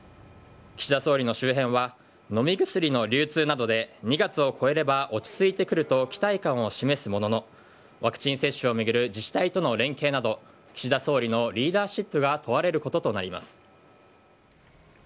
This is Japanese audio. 岸田総理の周辺は飲み薬の流通などで２月を越えれば落ち着いてくると期待感を示すもののワクチン接種を巡る自治体との連携など岸田総理のリーダーシップが問われることとなります。